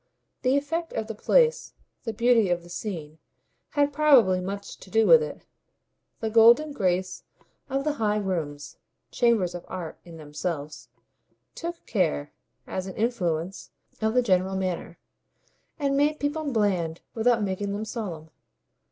The effect of the place, the beauty of the scene, had probably much to do with it; the golden grace of the high rooms, chambers of art in themselves, took care, as an influence, of the general manner, and made people bland without making them solemn.